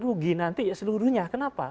rugi nanti seluruhnya kenapa